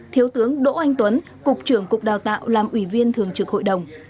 thiếu tướng đỗ anh tuấn cục trưởng cục đào tạo làm ủy viên thường trực hội đồng